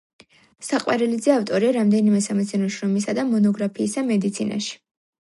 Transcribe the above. საყვარელიძე ავტორია რამდენიმე სამეცნიერო შრომისა და მონოგრაფიისა მედიცინაში.